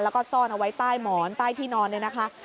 แล้วก็ซ่อนเอาไว้ใต้หมอนใต้ที่นอนเนี่ยนะคะ